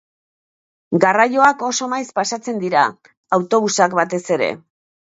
Garraioak oso maiz pasatzen dira, autobusak batez ere.